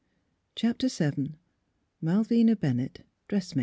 CHAPTER VII MALVTNA BENNETT, DRESSiLA.